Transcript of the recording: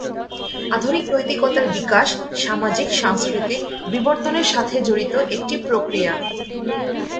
আধুনিক নৈতিকতার বিকাশ সামাজিক-সাংস্কৃতিক বিবর্তনের সাথে জড়িত একটি প্রক্রিয়া।